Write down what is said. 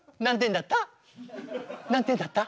何点だった？